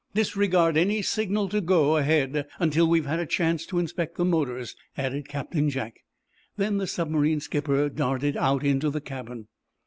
"Disregard any signal to go ahead until we've had a chance to inspect the motors," added Captain Jack. Then the submarine skipper darted out into the cabin.